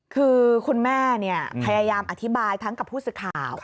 คือคุณแม่พยายามอธิบายทั้งกับผู้สื่อข่าว